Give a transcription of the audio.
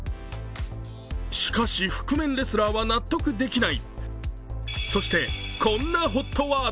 しかし覆面レスラーは納得できない。